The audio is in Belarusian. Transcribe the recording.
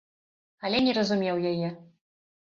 Але не разумеў яе.